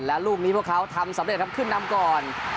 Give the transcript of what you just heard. และลูกนี้พวกเขาทำสำเร็จครับขึ้นนำก่อน